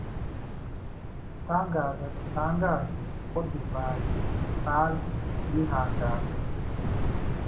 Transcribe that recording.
igitangaza gitangaje ko divayi-salle yihanganye